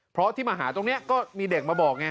เพราะอย่างนี้ก็มีเด็กมาบอก